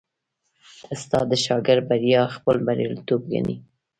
استاد د شاګرد بریا خپل بریالیتوب ګڼي.